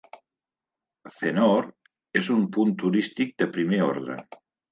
Thenoor és un punt turístic de primer ordre.